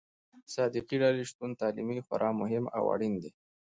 صادقې ډلې شتون تعلیمي خورا مهم او اړين دي.